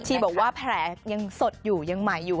บอกว่าแผลยังสดอยู่ยังใหม่อยู่